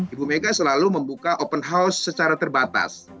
ibu mega selalu membuka open house secara terbatas